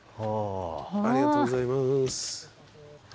ありがとうございます。